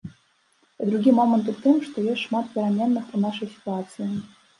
І другі момант у тым, што ёсць шмат пераменных у нашай сітуацыі.